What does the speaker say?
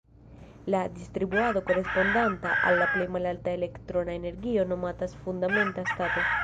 La distribuado korespondanta al la plej malalta elektrona energio nomatas "fundamenta stato".